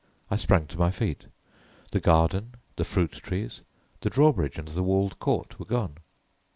I sprang to my feet. The garden, the fruit trees, the drawbridge and the walled court were gone.